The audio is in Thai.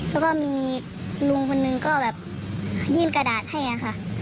แล้วก็มีลุงคนหนึ่งก็แบบยื่นกระดาษให้ค่ะ